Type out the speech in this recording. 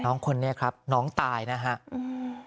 น้องคนนี้ครับน้องตายนะครับ